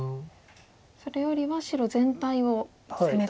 それよりは白全体を攻めたいと。